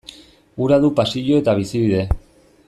Hura du pasio eta bizibide.